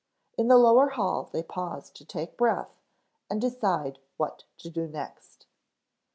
In the lower hall they paused to take breath and decide what to do next.